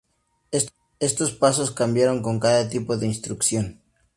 Estos pasos cambiarán con cada tipo de instrucción.